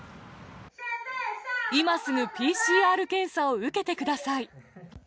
今すぐＰＣＲ検査を受けてく